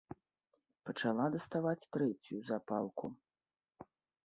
Пачала даставаць трэцюю запалку.